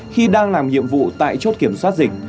khi đang làm nhiệm vụ tại chốt kiểm soát dịch